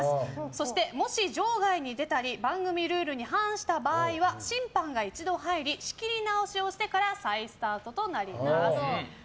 そして、もし場外に出たり番組ルールに反した場合は審判が一度、入り仕切り直ししてから再スタートとなります。